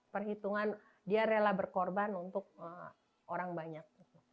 perhitungan dia rela berkorban untuk orang banyak